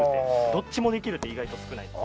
どっちもできるって意外と少ないんです。